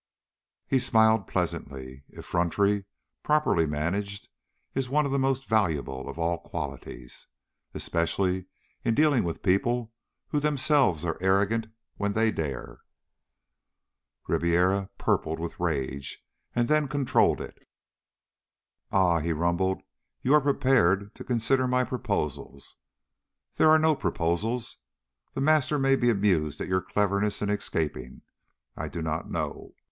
He smiled pleasantly. Effrontery, properly managed, is one of the most valuable of all qualities. Especially in dealing with people who themselves are arrogant when they dare. Ribiera purpled with rage, and then controlled it. "Ah!" he rumbled. "You are prepared to consider my proposals. There are no proposals. The Master may be amused at your cleverness in escaping. I do not know.